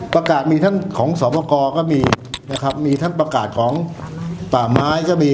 ประกาศมีท่านของสอบประกอบก็มีนะครับมีท่านประกาศของป่าไม้ก็มี